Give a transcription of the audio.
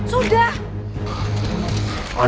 cukup mas haryu